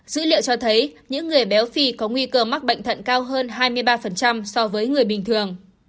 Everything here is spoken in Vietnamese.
dữ liệu cho thấy những người béo phì có nguy cơ mắc bệnh thận cao hơn hai mươi ba so với người bình thường